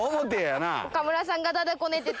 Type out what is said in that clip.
岡村さんが駄々こねてて。